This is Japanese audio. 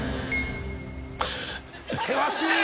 険しい！